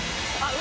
上！